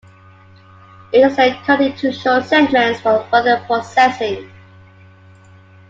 It is then cut into short segments for further processing.